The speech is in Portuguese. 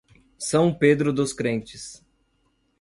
São Pedro dos Crentes